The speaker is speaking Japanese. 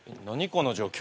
この状況。